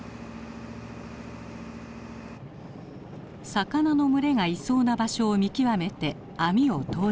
魚の群れがいそうな場所を見極めて網を投入。